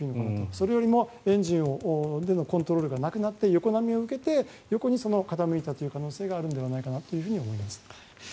それよりもエンジンでのコントロールがなくなって横波を受けて横に傾いた可能性があるのではと思います。